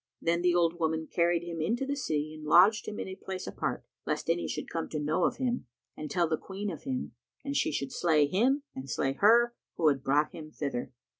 Then the old woman carried him into the city and lodged him in a place apart, lest any should come to know of him and tell the Queen of him and she should slay him and slay her who had brought him thither.